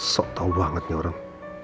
so tau banget nih orang